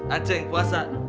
ah ceng puasa